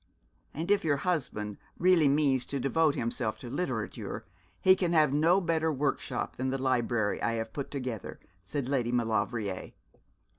'And if your husband really means to devote himself to literature, he can have no better workshop than the library I have put together,' said Lady Maulevrier.